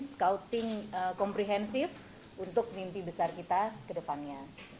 scouting komprehensif untuk mimpi besar kita ke depannya